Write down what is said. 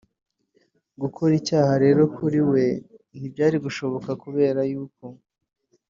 Gukora icyaha rero kuri we ntibyari gushoboka kubera yuko